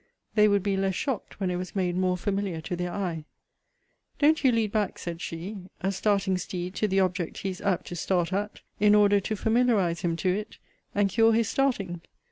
They would be less shocked when it was made more familiar to their eye: don't you lead back, said she, a starting steed to the object he is apt to start at, in order to familiarize him to it, and cure his starting?